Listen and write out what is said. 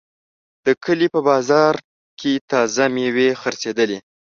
د کلي په بازار کې تازه میوې خرڅېدلې.